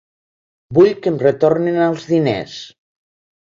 Vull que em retornin els diners.